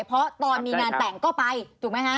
เพราะตอนมีงานแต่งก็ไปถูกไหมฮะ